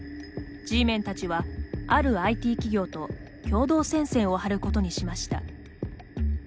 Ｇメンたちは、あるＩＴ企業と共同戦線を張ることにしました。